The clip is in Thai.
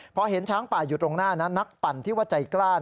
พอเห็นช้างป่าอยู่ตรงหน้านะนักปั่นที่ว่าใจกล้า